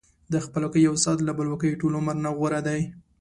د خپلواکۍ یو ساعت له بلواکۍ ټول عمر نه غوره دی.